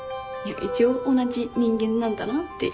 一応同じ人間なんだなっていう。